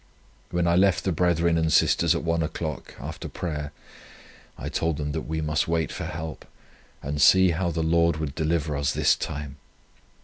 When I left the brethren and sisters at one o'clock, after prayer, I told them that we must wait for help, and see how the Lord would deliver us this time.